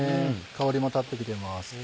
香りも立ってきてます。